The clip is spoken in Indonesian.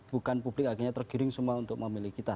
bukan publik akhirnya tergiring semua untuk memilih kita